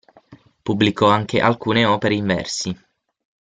Pubblicò anche alcune opere in versi.